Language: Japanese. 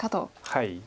はい。